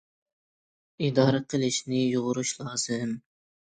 ئىدارە قىلىشنى يۇغۇرۇش لازىم.